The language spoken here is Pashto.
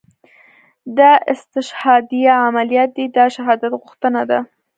دا استشهاديه عمليات دي دا شهادت غوښتنه ده.